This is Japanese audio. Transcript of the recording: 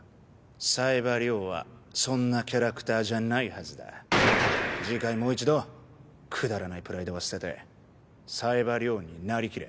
冴羽はそんなキャラクターじゃないはずだ次回もう一度くだらないプライドは捨てて冴羽になりきれ